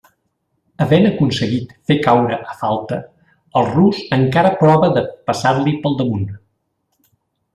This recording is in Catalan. Havent aconseguit fer caure a Falta, el rus encara prova de passar-li pel damunt.